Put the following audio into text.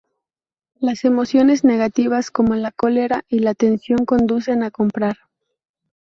Las emociones negativas como la cólera y la tensión conducen a comprar.